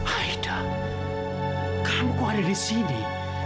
aida kamu kok ada di sini